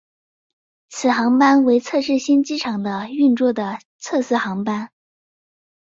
此航班为测试新机场的运作的测试航班。